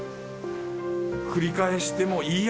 繰り返してもいいや。